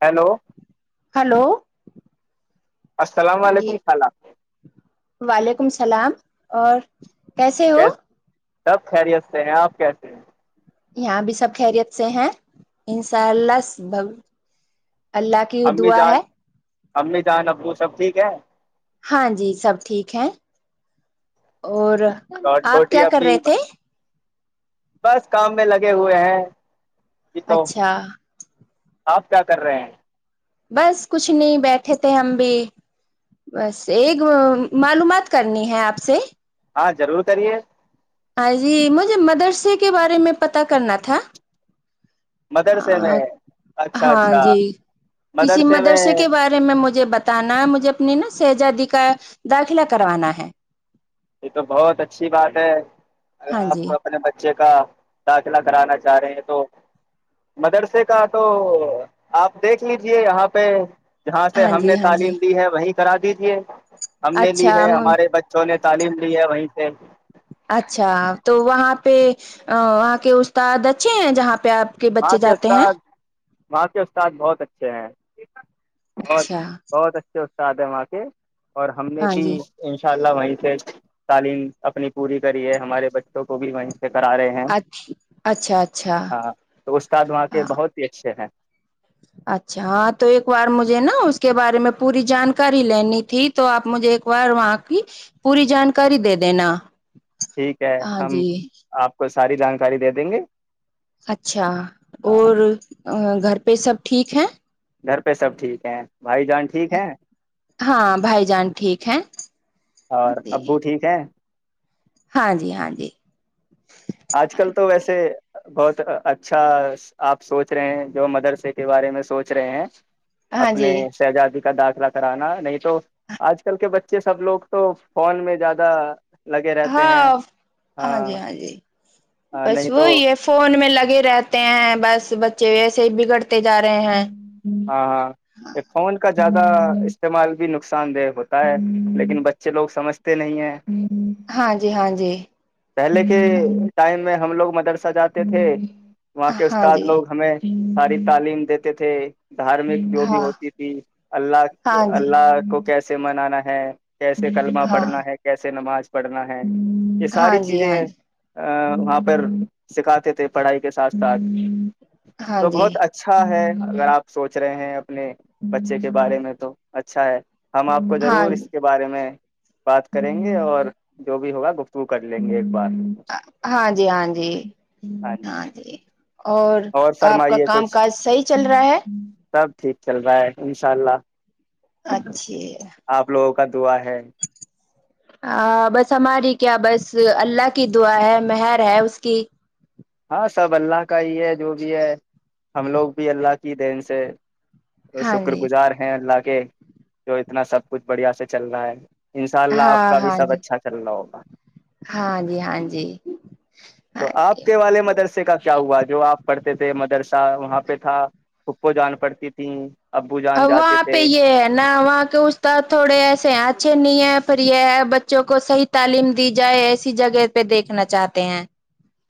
hello hello السلام جی علیکم الل وعلیکم السلام اور کیسے ہو تب خیریت سے ہیں آپ کیسے ہیں یہاں بھی سب خیریت سے ہیں انشاء اللہ اللہ کی امی دعا جان ہے امی جان ابو سب ٹھیک ہے ہاں جی سب ٹھیک ہے اور اور آپ چھوٹی کیا کر ابھی رہے تھے بس کام میں لگے ہوئے ہیں جی تو اچھا آپ کیا کر رہے ہیں بس کچھ نہیں بیٹھے تھے ہم بھی بس ایک معلومات کرنی ہے آپ سے ہاں ضرور کریے ہاں جی مجھے مدرسے کے بارے میں پتا کرنا تھا مدرسے میں اچھا ہاں اچھا جی کسی مدرسے کے بارے میں مجھے بتانا ہے مجھے اپنی نا شہزادی کا کا داخلہ کروانا ہے یہ تو بہت اچھی بات ہے اگر ہاں جی آپ اپنے بچے [unintelligible] کا داخلہ کرانا چاہ رہے ہیں تو مدرسے کا تو آپ دیکھ لیجیے یہاں پہ جہاں سے ہاں ہم نے جی ہاں جی تعلیم دی ہے وہیں کرا دیجیے ہم نے لی اچھا ہے ہمارے بچوں نے تعلیم ل ہے وہیں سے [unintelligible] اچھا تو وہاں پہ وہاں کے استاد اچھے ہیں جہاں پہ آپ کے وہاں بچے جاتے ہیں استاد وہاں کے استاد بہت اچھے ہیں بت اچھا بت اچ ا [unintelligible] سدا م کے [unintelligible] اور ہم نے ہاں بھی جی انشاء ان شاء اللہ وہیں سے تعلیم اپنی پوری کری ہے ہمارے بچوں کو بھی وہیں سے کرا رہے ہیں اچھ اچھا اچھا ہاں تو استاد وہاں ہاں بہت ہی اچھا اچھا ہاں اچھا ہاں تو ایک بار مجھے نا اس کے بارے میں پوری جانکاری لینی تھی تو آپ مجھے ایک بار وہاں کی پوری جانکاری دے دینا ٹھیک ہے ہاں ہم جی آپ کو ساری جانکاری دے دیں گے اچھا ہاں اور گھر پہ سب ٹھیک ہیں گھر پہ سب ٹھیک ہیں بھائی جان ٹھیک ہیں ہاں بھائی جان ٹھیک ہے اور جی ابو ٹھیک ہیں ہاں جی ہاں جی آج ہاں کل تو جی ویسے بہت اچھا آپ سوچ رہے ہیں جو مدرسے کے بارے میں سوچ رہے ہیں ہاں اپنے جی شہزادی کا دعخ [unintelligible] کلا کرانا نہیں تو آج کل کے بچے سب لوگ تو فون میں زیادہ لگے رہتے ہاں ہیں ہاں جی ہاں جی ہاں بس نہیں تو وہی ہے فون میں لگے رہیات [unintelligible] ہیں بس بچے و [unintelligible] سے بگڑ تے جا رہے ہیں ہاں ہاں فون کا زیادہ استعمال بھی نقصان دہ ہوتا ہے لیکن بچے لوگ سمجھتے نہیں ہیں ہاں جی ہاں جی پہلے کے ٹائم میں ہم لوگ مدرسہ جاتے تھے وہاں کے ہاں استاد جی لوگ ہمیں تعلیم دیتے تھے دھارمک جو بھی ہاں ہوتی تھی اللہ ہاں جی اللہ کو کہ اس سے منانا ہے کیسے کلمہ ہاں پڑھنا ہے کیسے نماز پڑھنا ہے یہ ساری ہاں جی ہاں جی ا وہاں پر سکھاتے تھے پڑھائی کے ساتھ ساتھ ہاں تو جی بہت اچھا ہے اگر آپ سوچ رہے ہیں اپنے بچے کے بارے میں تو اچھا ہے ہم آپ کو ہاں ضرور اس کے بارے میں بات کریں گے اور جو بھی ہوگا گفتگو کر [inaudible] ہاں جی ہاں جی ہاں جی اور آپ کا فرمائیے کام کچھ کاج صحیح چل رہا ہے سب ٹھیک چل رہا ہے انشاء اللہ اچھا آپ لوگوں کا دعا ہے بس ہماری کیا بس اللہ کی دعا ہے مہر ہے اس کی ہاں سب اللہ کا ہی ہے جو بھی ہے ہم لوگ بھی اللہ کی دین سے ہاں شکر جی گزار ہیں اللہ کہ جو اتنا سب کچھ بڑھیا سے چل رہا ہے ان شاء اللہ آپ ہاں کا بھی ہاں سب جی اچھا چل رہا ہوگا ہاں جی ہاں جی تو ہاں آپ جی کے والے مدرسے کا کیا ہوا جو آپ پڑھتے تھے مدرس تھا وہاں پہ تھا خو جان پڑتی تھیں ابو ا جان جاتے وہاں تھے پہ یہ ہے نا وہاں کے استاد تھوڑے ایسے ہیں اچھے نہیں ہے سفر یہ ہے بچوں کو صحیح تعلیم دی جائے ایسی جگہ پہ دیکھنا چاہتے ہیں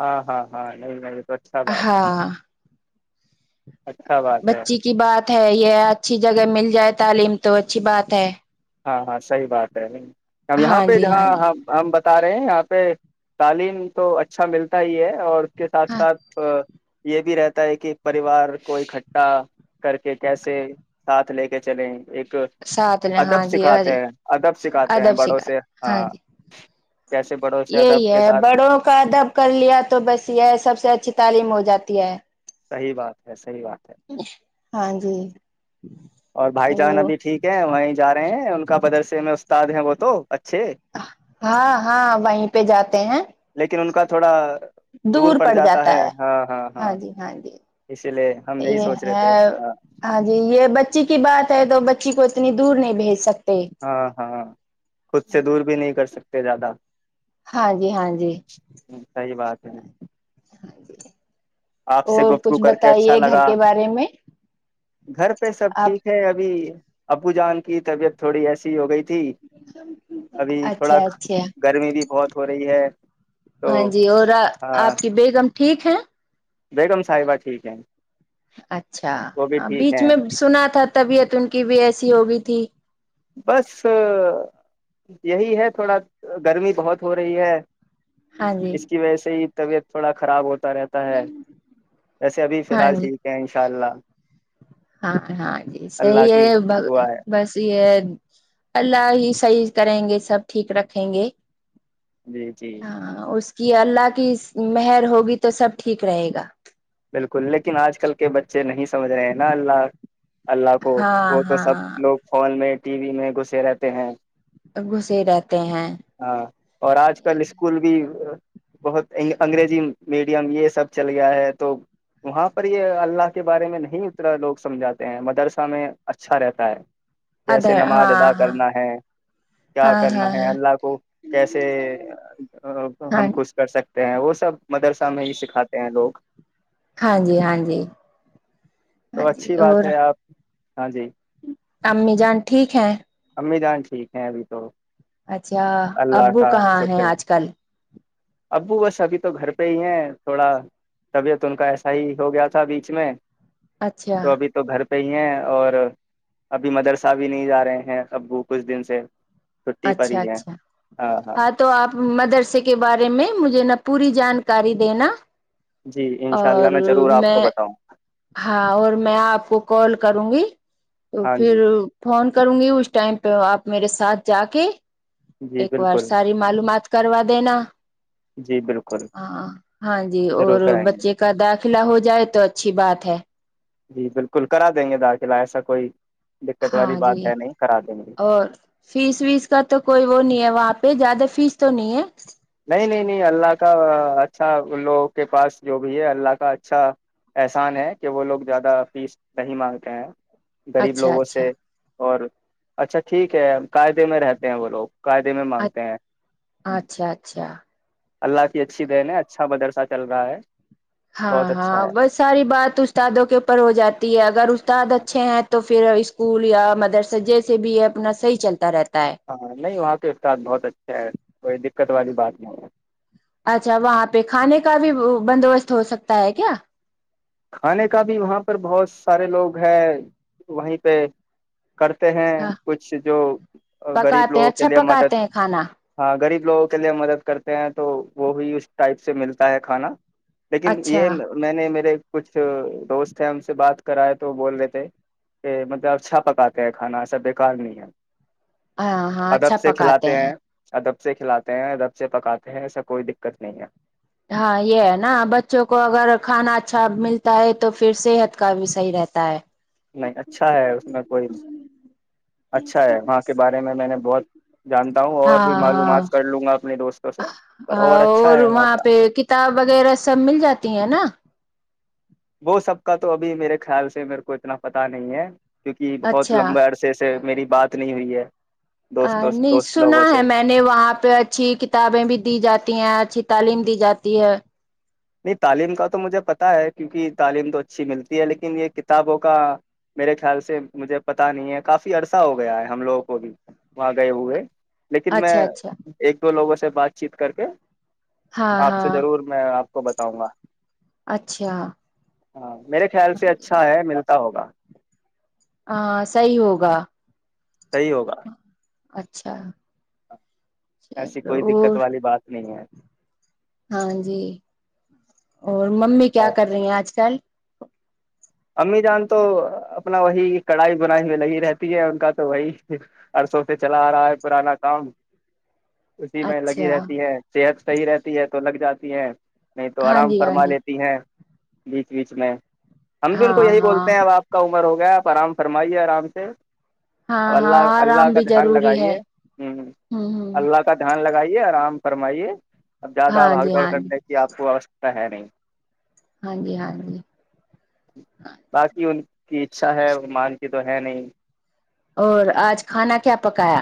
ہاں ہاں ہاں نہیں نہیں تو اچھا بات ہے ہاں اچھا بات ہے بچی کی بات ہے یہ اچھی جگہ مل جائے تعلیم تو اچھی بات ہے ہاں ہاں صحیح بات ہے یہاں ہاں پہ جی ہاں جہاں جی ہم بتا رہے ہیں یہاں پہ تعلیم تو اچھا ملتا ہی ہے اور کے ساتھ ہاں ساتھ یہ بھی رہتا ہے کہ پریوار کو اکٹھا کر کے کیسے ساتھ لے کے چلیں ایک ساتات ل ادب سکھاتے ہیں ادب سکھاتے ہیں بڑوں سکھا سے ہاں جی کیسے بڑوں سے یہی ادب کے ہے ساتھ بڑوں کا دب کر لیا تو بس یہ ہے سب سے اچھی تعلیم ہو جاتی ہے صحی بات ہے صحی بات ہے ہاں جی اور بھائی جان چلو ابھی ٹھیک ہے وہیں جا رہے ہیں ان کا بدرس میں استاد ہیں وہ تو اچھے ہاں ہاں وہیں پہ جاتے ہیں لیکن ان کا تھوڑا دور پڑ جاتا ہے ہاں جی ہاں جی اسی لیے ہم یہی یہ سوچ رہے تھے ہے ہاں جی یہ بچی کی کی بات ہے تو بچی کو اتنی دور نہیں بھیج سکتے ہاں ہاں خود سے دور بھی نہیں کر سکتے سے زیادہ ہاں جی ہاں جی ہ صحی بات ہے ہاں جی آپ سے اور گفتگو کچھ کر کے اچھا بتائیے گھر لگا کے بارے میں گھر پہ سب آپ ٹھیک ہے ابھی ابو جان کی طبیعت تھوڑی ایسی ہو گئی تھی ابھی اچھا تھوڑا اچھا گرمی بھی بہت ہو رہی ہے تو ہاں جی اور ہاں آپ کی بے کم ٹھیک ہے بیگم صاحبہ ٹھیک ہے اچھا بیچ میں سنا تھا طبیعت ان کی بھی ایسی ہوگئی تھی بس یہی ہے تھوڑا گرمی بہت ہو رہی ہے ہاں جی اس کی وجہ سے ہی طبیعت تھڑا خراب ہو رہتا ہے ویسے ابھی فی ہاں الحال جی ٹھیک ہے ان شاء اللہ ہاں ہاں جی صحی اللہ ہے کی دعا ہے بس یہ اللہ ہی صحیح کریں گے سب ٹھیک رکھیں گے جی جی کہ اللہ کی مہر ہوگی تو سب ٹھیک رہے گا اچھے نہیں سمجھ رہے ہیں نا اللہ اللہ کو ہاں وہ تو سب ہاں لوگ فون میں ٹی وی میں گھسے رہتے ہیں گھسے رہتے ہیں ہاں اور آج کل اسکول بھی بہت انگریزی میڈیم یہ سب چل گیا ہے تو وہاں پر یہ اللہ کے بارے میں نہیں اترا لوگ سمجھاتے ہیں مدرسہ میں اچھا رہتا ہے کیسے ادھر نماز ادا ہاں ہاں کرنا ہے کیا ہاں ہاں کرنا ہاں ہے اللہ کو کیسے ہاں ہم خوش کر سکتے وہ سب مدرسہ میں ہی سکھاتے ہیں لوگ ہاں جی ہاں جی تو ہاں جی اچھی بات اور ہے آپ ہاں جی امی جان ٹھیک ہے امی جان ٹھیک ہیں ابھی تو اچھا اللہ ابو کا کہاں ہیں شکر ہے آج کل ابو بس ابھی تو گھر پہ ہی ہیں تھوڑا طبیعت ان کا ایسا ہی اچھا تو ابھی تو گھرہ صحی ہیں اور ابھی مدرسہ بھی نہیں جا رہے ہیں ابو کچھ دن سے چھٹی پڑی اچھا ہے اچھا ہاں تو آپ مدرسے کے بارے میں مجھے پوری جانکاری دینا جی ان شاء اللہ اور میں ضرور آپ کو میں بتاؤں ہاں اور میں آپ کو کال کروں گی تو ہاں پھر جی فون کروں گی اس ٹائم پہ آپ میرے ساتھ جا کے جی ایک بار بالکل ساری معلومومات کر دےینا جی بالکل ہاں ہاں جی ضرور اور کرائیں گے بچے کا داخلہ ہو جائے تو اچھی بات ہے جی بالکل کرا دیں گے داخلہ ایسا کوئی دقت والی ہاں جی بات ہے نہیں کرا دیں گے اور فیس ویس کا تو کوئی وہ نہیں ہے وہاں پہ زیادہ فیس تو نہیں ہے نہیں نہیں نہیں اللہ کا اچھا ان لوگوں کے پاس جو بھی ہے اللہ کا اچھا احسان ہے کہ وہ لوگ زیادہ فیس نہیں مانگتے ہیں غریب اچھا لوگوں سے اچھا اور اچھا ٹھیک ہے قاعدے میں رہتے ہیں وہ لوگ قاعدے میں مانگتے ہیں اچھا اچھا اللہ کی اچھی دن ہے اچھا مدرسہ چل رہا ہے ہاں بہت ہاں اچھا ہے بس ساری بات استادوں کے اوپر ہو جاتی ہے اگر اس تعد اچھے ہیں تو پھر اسکول یا مدرسہ جیسے بھی یہ اپنا صحیح چلتا رہتا ہے ہاں نہیں وہاں تو استاد بہت اچھا ہے کوئی دق دقت والی بات نہیں اچھا وہاں پہ کھانے کا بھی بندوبست ہو سکتا ہے کیا کھانے کا بھی وہاں پر بہت سارے لوگ ہیں وہیں پہ کرتے ہیں ہاں کچھ جو غریب پکاتے ہیں لوگوں کے اچھا لیے مدد پکاتے ہیں کھانا ہاں غریب لوگوں کے لیے مدد کرتے ہیں تو وہ بھی اس ٹائپ سے ملتا ہے کھانا لیکن اچھا یہ میں نے میرے کچھ دوست ہیں ان سے بات کراائے تو بول رہتے کہ مطلب اچھا پکاتے ہیں کھانا ایسا بیکار نہیں ہے ہاں ہاں اچھا ادب سے پکاتے کھلاتے ہیں ادب سے دب سے کھلاتے ہیں رب سے پکاتے ہیں ایسا کوئی دقت نہیں ہے ہاں یہ ہے نا بچوں کو اگر کھانا اچھا ملتا ہے تو پھر صحت کا بھی صحیح رہتا ہے نہیں اچھا ہے اس میں کوئی اچھا ہے وہاں کے بارے میں میں نے بہت جانتا ہوں اور بھی ہاں ہاں معلومات کر لوں گا اپنے دوستوں سے پر اچھا اور ہے وہاں کا پہ کتاب وغیرہ سب مل جاتی ہیں نا وہ سب کا تو ابھی میرے خیال سے میرے کو اتنا پتہ نہیں ہے کیونکہ بہت اچھا لمبے عرصے سے میری بات نہیں ہوئی ہے دوست انہیں دوست سنا لوگوں سے ہے میں نے وہاں پہ اچھی کتابیں بھی دی جاتی ہیں اچھی تعلیم دی جاتی ہے نہیں تعلیم کا تو مجھے پت ہے کیونکہ تعلیم تو اچھی ملتی ہے لیکن یہ کتابوں کا میرے خیال سے مجھے پتا نہیں ہے کافی عرصہ ہو گیا ہے ہم لوگوں کو بھی وہاں گئے ہوئے لیکن میں اچھا اچھا ایک دو لوگوں سے سے بات چیت کر کے ہاں آپ سے ہاں ضرور میں آپ کو بتاؤں گا اچھا ہاں میرے خیال سے جی اچھا ہاں ہے ملتا ہوگا ہاں صحیح ہوگا صحیح ہوگا اچھا ایسی چلو کوئی دقت اور والی بات نہیں ہے ہاں جی اور ممی اور کیا کر رہی ہیں آج کل امی جان تو اپنا وہی کڑھائی بنائی میں لگ رہتی ہے ان کا تو وہی عرسوں سے چلا آ رہا ہے پرانا کام اسی میں لگی اچھا رہتی ہے صحت صحیح رہتی ہے تو لگ جاتی ہیں نہیں تو ہاں آرام جی ہاں فرما جی لیتی ہیں بیچ بیچ میں ہم بھی ان ہاں کو یہی ہاں بولتے ہیں ا آپ کاوں ہو گیا آپ آرام فرمائیے آرام سے ہاں اللہ ہاں اللہ آرام کا بھی دھیان ضروری ہے لگائیے ہ ہ ہ اللہ کا دھیان لگائیے آرام فرمائیے اب زیادہ ہاں بھگ جی دوڑ ہاں جی کرنے کی آپ کو ہے نہیں ہاں جی ہاں جی باقی ہ کی اچھا ہے مان کی تو ہے نہیں اور آج کھانا کیا پکایا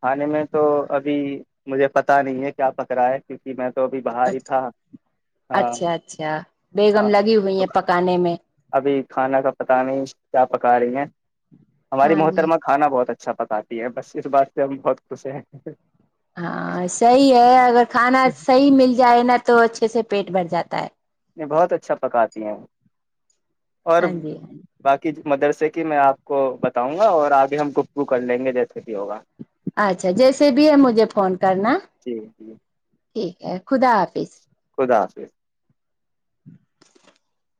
کھانے میں تو ابھی مجھے پتا نہیں ہے کیا پکڑا ہے کیونکہ میں تو ابھی باہر ہی اچ تھا ہاں اچھا اچھا بیگم ہاں لگی ہوئی تو ہیں پکانے میں ابھی کھانا کا پت نہیں کیا پکا رہی ہیں ہماری ہاں جی محترمہ کانا بہت اچھا اچھا بتاتتی ہے بس اسس بات ہم بہت خوش ہیں ہاں صحیح ہے اگر کھانا صحیح مل جائے نا تو ا سے پیٹ بھر جاتا ہے میں بہت اچھا پکاتی ہیں اور ہاں جی ہاں باقی مدرسے کے کہ میں آپ کو بتاؤں گا اور آبھی ہم گفگو کر لیں گے جیسے بھی ہوگا اچھا جیسے بھی ہے مجھے فون کرنا جی جی ٹھیک ہے خدا حافظ [inaudible] [inaudible]